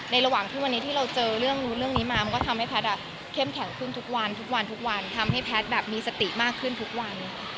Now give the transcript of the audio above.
ระหว่างที่วันนี้ที่เราเจอเรื่องนู้นเรื่องนี้มามันก็ทำให้แพทย์เข้มแข็งขึ้นทุกวันทุกวันทุกวันทำให้แพทย์แบบมีสติมากขึ้นทุกวัน